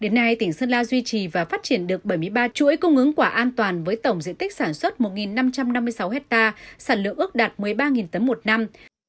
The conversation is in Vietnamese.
đến nay tỉnh sơn la duy trì và phát triển được bảy mươi ba chuỗi cung ứng quả an toàn với tổng diện tích sản xuất một năm trăm năm mươi sáu hectare sản lượng ước đạt một mươi ba tấn một năm